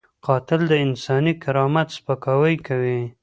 قاتل د انساني کرامت سپکاوی کوي